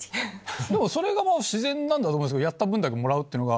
でもそれがもう自然なんだと思いますけどやった分だけもらうってのが。